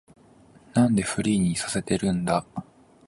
なんでフリーにさせてるんだ